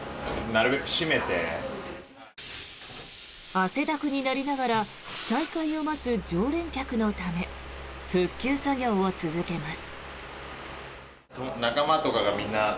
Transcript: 汗だくになりながら再開を待つ常連客のため復旧作業を続けます。